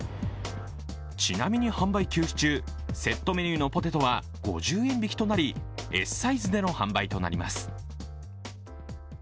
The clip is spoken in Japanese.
ちなみに販売休止中、セットメニューのポテトは５０円引きとなり、Ｓサイズでの販売となります。